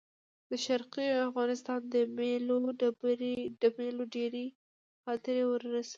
د شرقي افغانستان د مېلو ډېرې خاطرې ورسره وې.